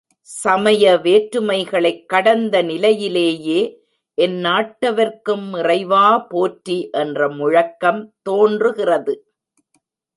சமய வேற்றுமைகளைக் கடந்த நிலையிலேயே எந்நாட்டவர்க்கும் இறைவா போற்றி என்ற முழக்கம் தோன்றுகிறது.